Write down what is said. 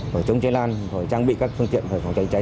phải chống chênh lan phải trang bị các phương tiện về phòng chế cháy